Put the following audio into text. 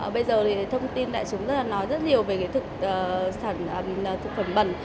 bây giờ thì thông tin đại chúng rất là nói rất nhiều về thực phẩm bẩn